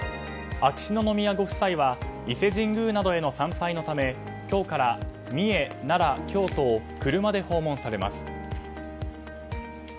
秋篠宮ご夫妻は伊勢神宮などへの参拝のため今日から三重、奈良、京都を車で訪問されます。